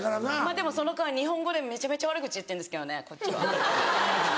でもその代わり日本語でめちゃめちゃ悪口言ってんすけどねこっちは。